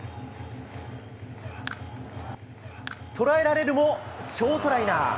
捉えられるもショートライナー。